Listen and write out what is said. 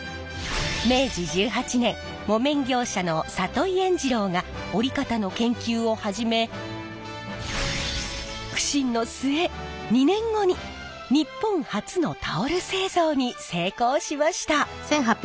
明治１８年木綿業者の里井圓治郎が織り方の研究を始め苦心の末２年後に日本初のタオル製造に成功しました。